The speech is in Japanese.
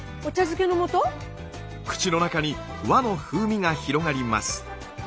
口の中に和の風味が広がります。